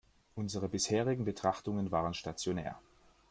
Unsere bisherigen Betrachtungen waren stationär.